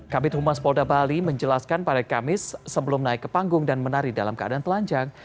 kabit humas polda bali menjelaskan pada kamis sebelum naik ke panggung dan menari dalam keadaan telanjang